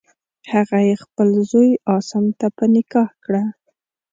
هغه یې خپل زوی عاصم ته په نکاح کړه.